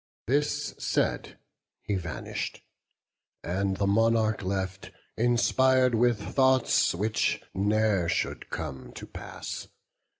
This said, he vanish'd; and the monarch left, Inspir'd with thoughts which ne'er should come to pass.